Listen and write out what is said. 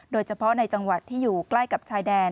โดยเฉพาะในจังหวัดที่อยู่ใกล้กับชายแดน